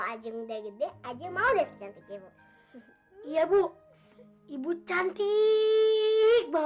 kenapa manja banget sih kamu